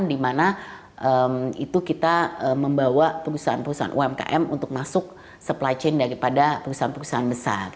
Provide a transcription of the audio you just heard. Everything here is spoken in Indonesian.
dimana itu kita membawa perusahaan perusahaan umkm untuk masuk supply chain daripada perusahaan perusahaan besar